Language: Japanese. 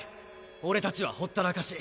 俺たちはほったらかし。